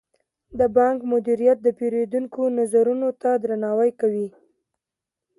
د بانک مدیریت د پیرودونکو نظرونو ته درناوی کوي.